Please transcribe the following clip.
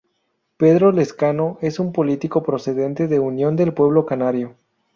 Pedro Lezcano es un político procedente de Unión del Pueblo Canario.